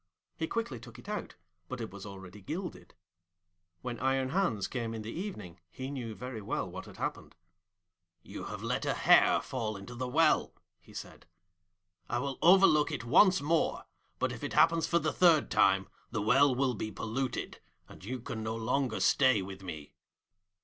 He quickly took it out, but it was already gilded. When Iron Hans came in the evening, he knew very well what had happened. 'You have let a hair fall into the well,' he said. 'I will overlook it once more, but if it happens for the third time, the well will be polluted, and you can no longer stay with me.'